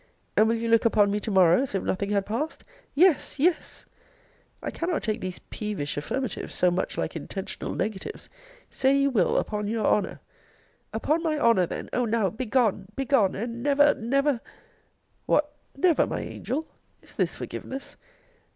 And will you look upon me to morrow as if nothing had passed? Yes, yes! I cannot take these peevish affirmatives, so much like intentional negatives! Say, you will, upon your honour. Upon my honour, then Oh! now, begone! begone! and never never What! never, my angel! Is this forgiveness?